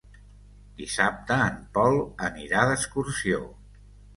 Dissabte en Pol anirà d'excursió.